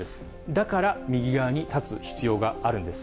だから右側に立つ必要があるんです。